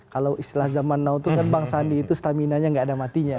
kalau istilah zaman now itu kan bang sandi itu stamina nya nggak ada matinya